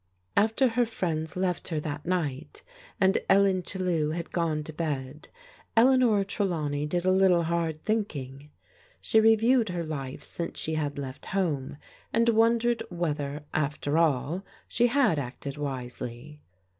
After her friends left her that night, and Ellen Qiellew had gone to bed, Eleanor Trelawney did a little hard thinking. She reviewed her life since she had left home, and wondered whether, after all, she had acted wisely.